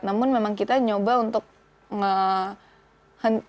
namun memang kita nyoba untuk